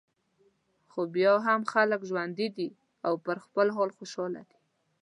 خو بیا هم خلک ژوندي دي او پر خپل حال خوشاله دي.